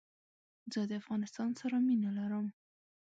زه دافغانستان سره مينه لرم